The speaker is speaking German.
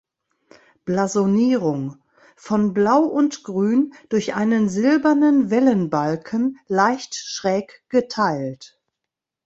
Blasonierung: „Von Blau und Grün durch einen silbernen Wellenbalken leicht schräg geteilt.